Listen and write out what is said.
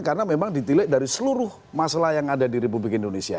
karena memang ditilai dari seluruh masalah yang ada di republik indonesia